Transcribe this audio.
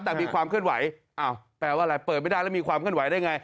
แต่มีความเคลื่อนไหวอ้าวแปลว่าอะไรเปิดไม่ได้แล้วมีความเคลื่อนไหวได้ไง